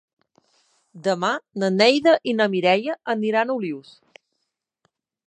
Demà na Neida i na Mireia aniran a Olius.